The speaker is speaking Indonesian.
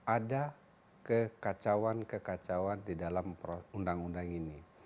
ada kekacauan kekacauan di dalam undang undang ini